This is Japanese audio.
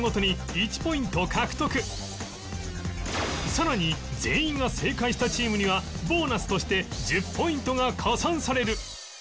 さらに全員が正解したチームにはボーナスとして１０ポイントが加算される